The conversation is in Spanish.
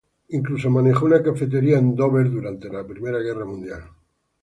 Incluso manejó una cafetería en Dover durante la Primera Guerra Mundial.